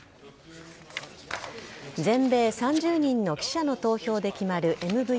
全米３０人の記者の投票で決まるＭＶＰ。